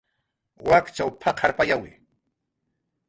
"Wakchaw p""aqarpayawi "